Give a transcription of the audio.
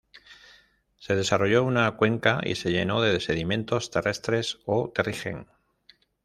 Se desarrolló una cuenca y se llenó de sedimentos terrestres o terrigen.